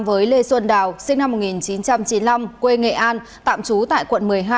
với lê xuân đào sinh năm một nghìn chín trăm chín mươi năm quê nghệ an tạm trú tại quận một mươi hai